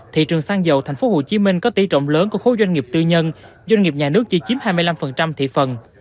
thị trường xăng dầu tp hcm có tỷ trọng lớn của khối doanh nghiệp tư nhân doanh nghiệp nhà nước chỉ chiếm hai mươi năm thị phần